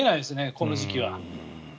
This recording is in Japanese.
この時期は。